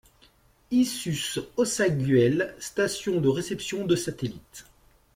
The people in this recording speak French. Issus Aussaguel, station de réception de satellites.